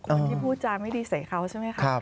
คนที่พูดจาไม่ดีใส่เขาใช่ไหมคะ